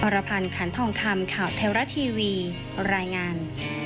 รพันธ์ขันทองคำข่าวไทยรัฐทีวีรายงาน